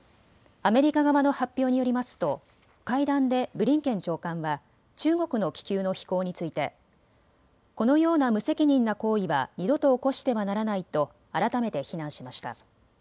アメリカ側の発表によりますと会談でブリンケン長官は中国の気球の飛行についてこのような無責任な行為は二度と起こしてはならないと改めて非難しました。